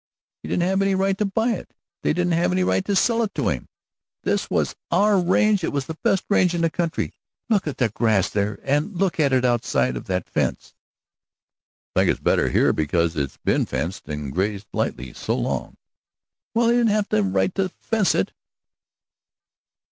"He didn't have any right to buy it; they didn't have any right to sell it to him! This was our range; it was the best range in the country. Look at the grass here, and look at it outside of that fence." "I think it's better here because it's been fenced and grazed lightly so long." "Well, they didn't have any right to fence it."